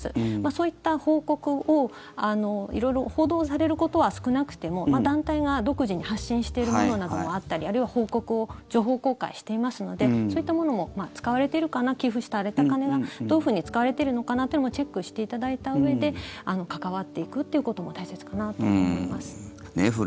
そういった報告を色々報道されることは少なくても団体が独自に発信しているものなどもあったりあるいは報告を情報公開していますのでそういったものも使われているかな寄付された金がどういうふうに使われてるのかなというのをチェックしていただいたうえで関わっていくっていうことも大切かなと思います。